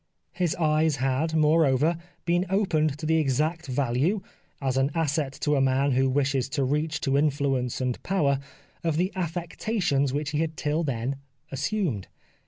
His eyes had, moreover, been opened to the exact value, as an asset to a man who wishes to reach to influence and power, of the affectations which he had till then assumed.